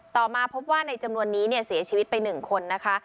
มาพบว่าในจำนวนนี้เสียชีวิตไป๑คนนะคะ